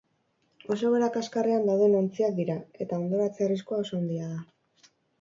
Oso egoera kaskarrean dauden ontziak dira, eta hondoratze arriskua oso handia da.